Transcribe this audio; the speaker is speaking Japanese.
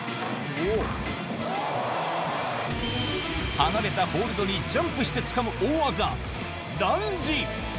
離れたホールドにジャンプしてつかむ大技、ランジ。